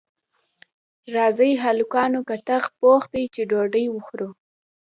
راځئ هلکانو کتغ پوخ دی چې ډوډۍ وخورو